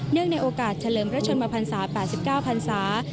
เนื่องในโอกาสเฉลิมพระชนมภัณฑ์ศาสตร์๘๙ภัณฑ์ศาสตร์